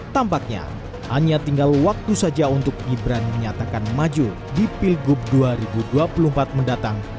tampaknya hanya tinggal waktu saja untuk gibran menyatakan maju di pilgub dua ribu dua puluh empat mendatang